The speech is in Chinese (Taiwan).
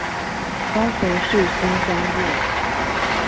高雄市新疆路